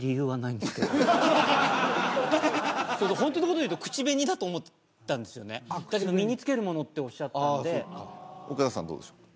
ホントのこと言うと口紅だと思ったんですよねだけど身につけるものっておっしゃったので岡田さんどうでしょう？